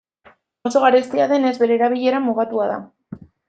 Oso garestia denez, bere erabilera mugatua da.